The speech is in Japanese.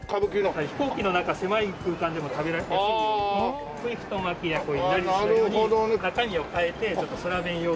飛行機の中狭い空間でも食べやすいように太巻きやいなりずしのように中身を変えてちょっと空弁用という形で。